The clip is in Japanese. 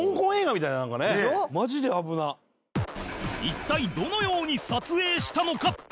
一体どのように撮影したのか？